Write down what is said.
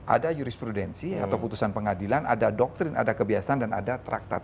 ada jurisprudensi atau putusan pengadilan ada doktrin ada kebiasaan dan ada traktat